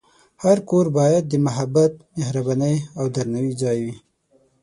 هر کور باید د محبت، مهربانۍ، او درناوي ځای وي.